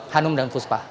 hanum dan fuspa